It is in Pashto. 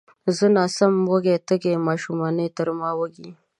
زه یم ناسته وږې، تږې، ماشومانې تر ما وږي